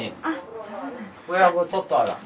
ちょっとあるわ。